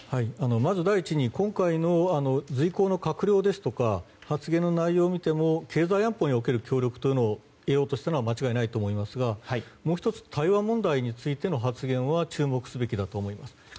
まず、第一に今回の随行の閣僚ですとか発言の内容を見ても経済安保理における協力を得ようとしたのは間違いないと思いますがもう１つ、台湾問題についての発言は注目すべきだと思います。